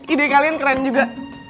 ide kalian keren juga